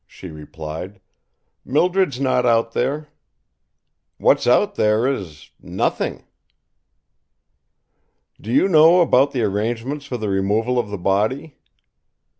she replied. "Mildred's not out there. What's out there is nothing." "Do you know about the arrangements for the removal of the body?"